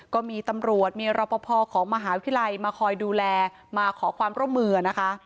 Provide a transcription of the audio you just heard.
ก็มีตำรวจมีรอปภของมหาวิทยาลัยมาคอยดูแลมาขอความร่วมมือนะคะ